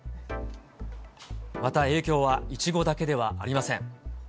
また影響は、いちごだけではありません。